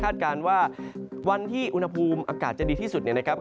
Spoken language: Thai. การว่าวันที่อุณหภูมิอากาศจะดีที่สุดเนี่ยนะครับ